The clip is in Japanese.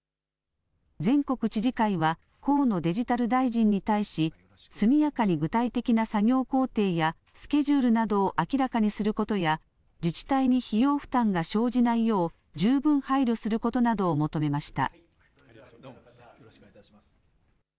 全国知事会は河野デジタル大臣に対し速やかに具体的な作業工程やスケジュールなどを明らかにすることや自治体に費用負担が生じないよう十分配慮することなどを求めました。